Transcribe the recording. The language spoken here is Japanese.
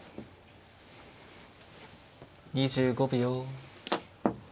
２５秒。